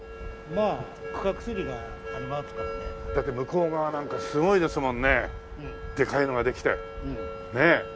だって向こう側なんかすごいですもんねでかいのができてねえ。